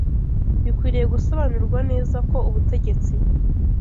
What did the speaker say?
Bikwiriye gusobanurwa neza ko ubutegetsi